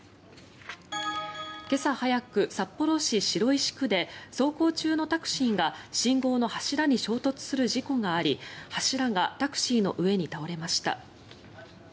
今朝早く、札幌市白石区で走行中のタクシーが信号の柱に衝突する事故があり柱がタクシーの上に倒れました。